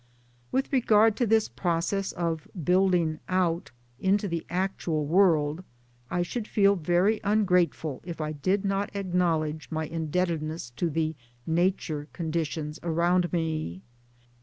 With regard to this process of " building out " into the actual world I should feel very ungrateful 1 if I did not acknowledge my indebtedness to trie Nature conditions around me.